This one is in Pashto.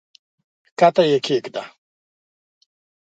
کښته یې کښېږده!